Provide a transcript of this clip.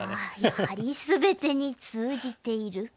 やはり全てに通じている。